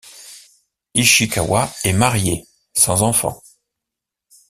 Ishikawa est mariée, sans enfant.